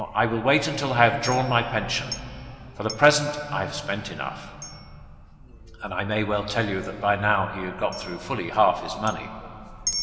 I will wait until I have drawn my pension. For the present I have spent enough.' (And I may tell you that by now he had got through fully half his money.)